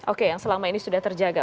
oke yang selama ini sudah terjaga